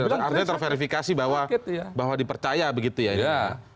artinya terverifikasi bahwa dipercaya begitu ya